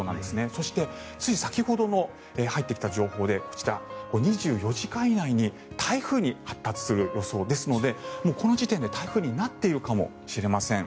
そしてつい先ほど入ってきた情報でこちら、２４時間以内に台風に発達する予想ですのでこの時点で台風になっているかもしれません。